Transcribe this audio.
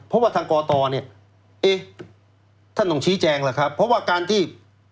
เพราะว่าทางกตเนี่ยเอ๊ะท่านต้องชี้แจงล่ะครับเพราะว่าการที่